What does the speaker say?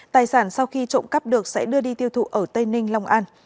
tài sản sau khi trộm cắp được sẽ đưa đi tiêu thụ ở tây ninh long an